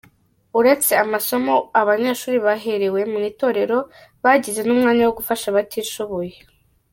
Uretse amasomo aba banyeshuri baherewe mu itorero, bagize n’umwanya wo gufasha abatishoboye.